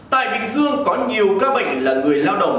tại bình dương có nhiều ca bệnh là người lao động